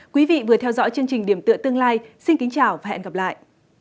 quý vị vừa theo dõi chương trình điểm tựa tương lai xin kính chào và hẹn gặp lại